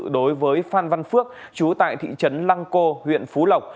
đối với phan văn phước chú tại thị trấn lăng cô huyện phú lộc